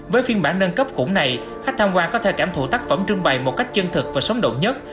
với phiên bản nâng cấp khủng này khách tham quan có thể cảm thụ tác phẩm trưng bày một cách chân thực và sống động nhất